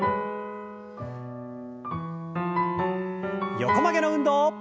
横曲げの運動。